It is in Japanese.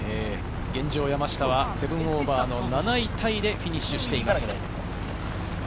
現状、山下は＋７の７位タイでフィニッシュしています。